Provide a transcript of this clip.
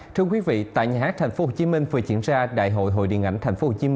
thưa quý vị tại nhà hát tp hcm vừa diễn ra đại hội hội điện ảnh tp hcm